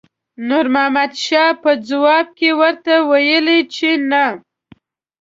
نور محمد شاه په ځواب کې ورته وویل چې نه.